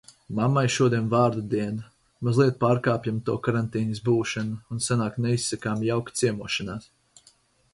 Mammai šodien vārda diena. Mazlietiņ pārkāpjam to karantīnas būšanu, un sanāk neizsakāmi jauka ciemošanās.